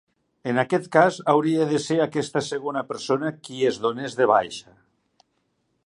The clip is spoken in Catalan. En aquest cas hauria de ser aquesta segona persona qui es donés de baixa.